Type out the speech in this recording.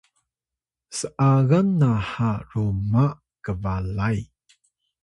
s’agan naha ruma kbalay